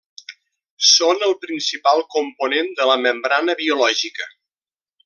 Són el principal component de la membrana biològica.